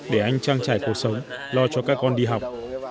để anh trang trải cuộc sống lo cho các con đi học